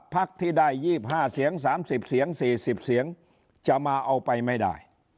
พักที่ได้๒๕เสียง๓๐เสียง๔๐เสียงจะมาเอาไปไม่ได้